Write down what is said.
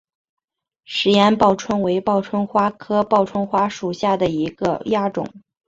石岩报春为报春花科报春花属下的一个亚种。